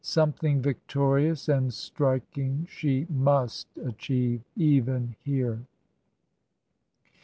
Something victorious and striking she must achieve — even here.